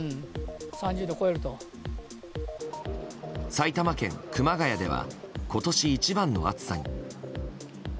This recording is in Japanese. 埼玉県熊谷では今年一番の暑さに。